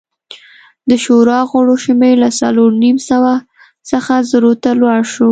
د شورا غړو شمېر له څلور نیم سوه څخه زرو ته لوړ شو